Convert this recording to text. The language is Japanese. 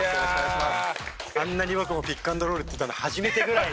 あんなに僕も「ピックアンドロール」って言ったの初めてぐらい。